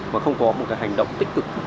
mà không có một cái hành động tích cực